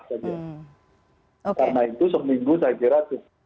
karena itu seminggu saya kira